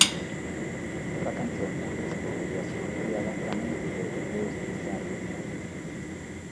Sa cantzone currispondet a su re-adatamentu de «Deus ti sarvet Maria».